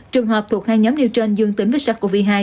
trường hợp thuộc hai nhóm điều trên dương tính với sars cov hai